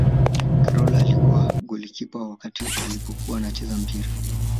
karol alikuwa golikipa wakati alipokuwa anacheza mpira